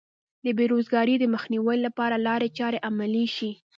د بې روزګارۍ د مخنیوي لپاره لارې چارې عملي شي.